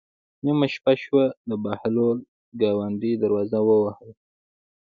نیمه شپه شوه د بهلول ګاونډي دروازه ووهله.